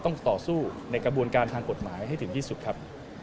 ต้องต่อสู้ในกระบวนการทางกฎหมายให้ถึงที่สุดครับ